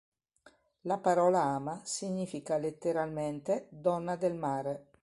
La parola ama significa letteralmente “donna del mare”.